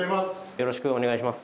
よろしくお願いします。